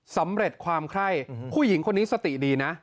สำเร็จความไข้ผู้หญิงคนนี้สติดีนะ